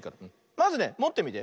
まずねもってみて。